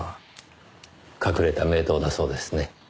隠れた名湯だそうですね。